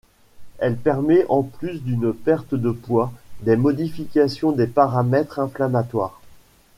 Elle permet en plus d'une perte de poids, des modifications des paramètres inflammatoires.